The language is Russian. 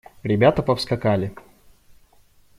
Ребята повскакали.